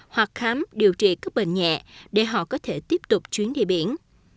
hoặc khám điều trị các bệnh nhẹ để họ có thể tiếp tục chuyến đi biển